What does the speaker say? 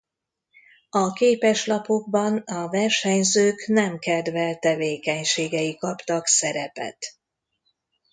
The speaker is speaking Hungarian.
A képeslapokban a versenyzők nem kedvelt tevékenységei kaptak szerepet.